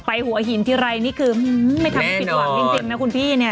ไปหัวหินทีไรนี่คือไม่ทำผิดหวางจริงวันนี้คุณพี่เนี่ย